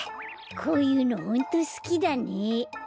こういうのホントすきだね。